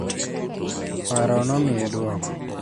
Paro nomiye duoko.